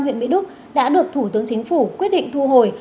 huyện mỹ đức đã được thủ tướng chính phủ quyết định thu hồi